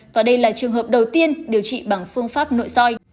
và đây là trường hợp đầu tiên điều trị bằng phương pháp nội soi